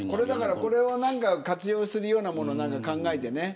これを活用するようなもの何か考えてね。